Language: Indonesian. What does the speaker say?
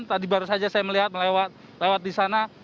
tadi baru saja saya melihat lewat di sana